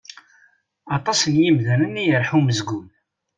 Aṭas n yimdanen i yerḥa umezgun.